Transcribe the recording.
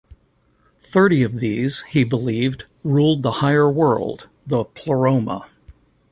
Thirty of these, he believed, ruled the higher world, the "pleroma".